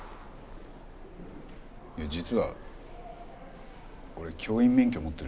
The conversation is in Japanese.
いや実は俺教員免許持ってるんです。